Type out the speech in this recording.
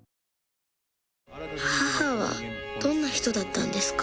母はどんな人だったんですか？